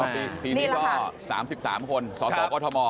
ปีนี้ก็๓๓คนสสกม